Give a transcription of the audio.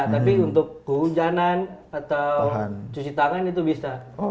tapi untuk kehujanan atau cuci tangan itu bisa